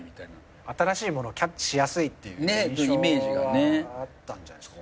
新しいものキャッチしやすいっていう印象はあったんじゃないすか？